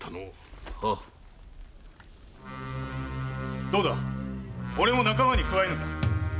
〔どうだ俺も仲間に加えぬか？〕